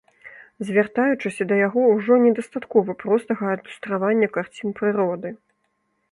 Звяртаючыся да яго, ужо недастаткова простага адлюстравання карцін прыроды.